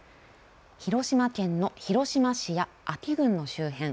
広島県の広島市や安芸郡の周辺